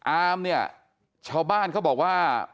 อามเนี่ยชาวบ้านเขาบอกว่า